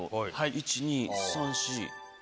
１・２・３・４・５？